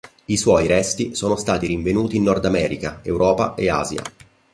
I suoi resti sono stati rinvenuti in Nordamerica, Europa e Asia.